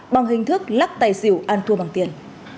bằng hình thức lắc tay xỉu an thua bằng tiền